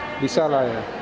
sebenarnya enak kan